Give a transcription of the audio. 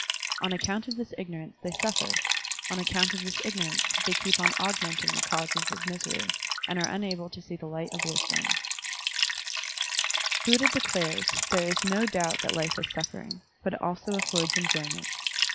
On account of this ignorance, they suffer; on accovmt Digitized by Google THE WHEEL OP THE GOOD LAW 105 of this ignorance, they keep on augmenting the causes of misery, and are unable to see the light of wisdom. Buddha declares, there is no doubt that life is suffering, but it also affords enjoyment.